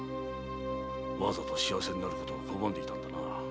わざと幸せになることを拒んでいたんだな。